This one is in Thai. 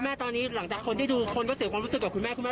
ไม่เครียดเลยไม่เครียดเลยสบายมาก